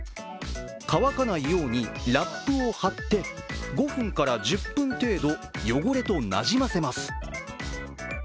乾かないようにラップを貼って５分から１０分程度汚れとなじませます。